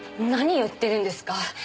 何言ってるんですか？